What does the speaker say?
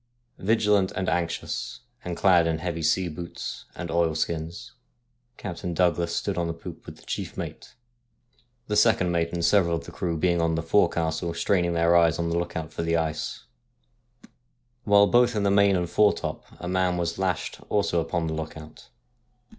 Vigilant and anxious, and clad in heavy sea boots and oil skins, Captain Douglas stood on the poop with the chief mate ; the second mate and several of the crew being on the fore castle straining their eyes on the look out for the ice, while both in the main and foretop a man was lashed also on the look out.